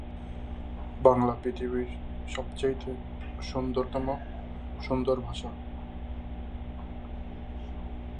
তিনি গানের কথা এবং সুর করতেন।